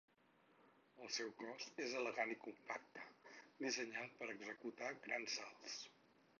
El seu cos és elegant i compacte, dissenyat per executar grans salts.